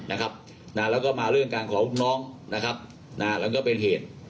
นะครับน่าแล้วก็มาเรื่องการขอบุคน้องนะครับน่าแล้วก็เป็นเหตุ